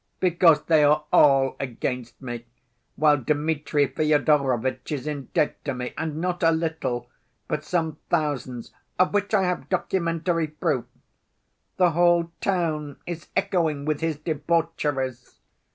Because they are all against me, while Dmitri Fyodorovitch is in debt to me, and not a little, but some thousands of which I have documentary proof. The whole town is echoing with his debaucheries.